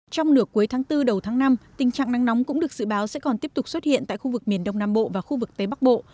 trong nửa cuối tháng bốn đầu tháng năm tình trạng nắng nóng cũng được dự báo sẽ còn tiếp tục xuất hiện tại khu vực miền đông nam bộ và khu vực tây bắc bộ